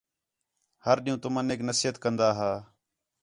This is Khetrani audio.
ہر ݙِین٘ہوں تمنیک نصیحت کندا ھا